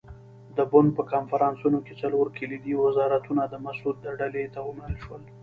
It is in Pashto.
د بُن په کنفرانس کې څلور کلیدي وزارتونه د مسعود ډلې ته ومنل شول.